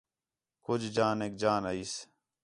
کُج جانیک، جان آئیس